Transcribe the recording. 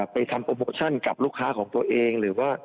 ไปทำโปรโมชั่นกับลูกค้าของตัวเอง